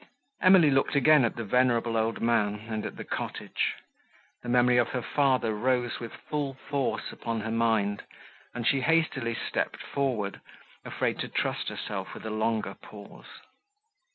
Emily looked again at the venerable old man, and at the cottage; the memory of her father rose with full force upon her mind, and she hastily stepped forward, afraid to trust herself with a longer pause.